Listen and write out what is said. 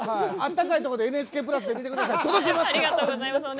暖かいとこでＮＨＫプラスで見てください。